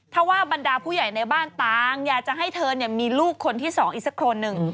ถ้าว่าบรรดาผู้ใหญ่ในบ้านต่างอยากจะให้เธอมีลูกคนที่สองอีกสักคนหนึ่ง